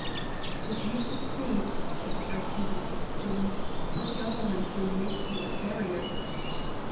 "If you succeed," said Sir Hubert Fitzjames, "the Government will make you a baronet."